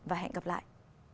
và hẹn gặp lại